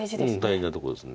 大事なとこです。